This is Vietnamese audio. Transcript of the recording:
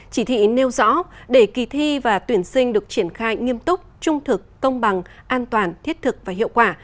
chỉ thị nêu rõ để kỳ thi và tuyển sinh được triển khai nghiêm túc trung thực công bằng an toàn thiết thực và hiệu quả